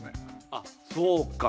あそうか。